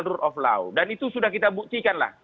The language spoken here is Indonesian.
rule of law dan itu sudah kita buktikan lah